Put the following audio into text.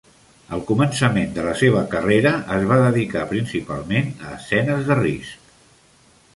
Al començament de la seva carrera, es va dedicar principalment a escenes de risc.